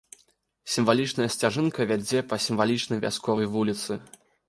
Сімвалічная сцяжынка вядзе па сімвалічнай вясковай вуліцы.